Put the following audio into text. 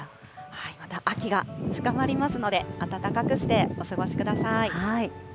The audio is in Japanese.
また秋が深まりますので、暖かくしてお過ごしください。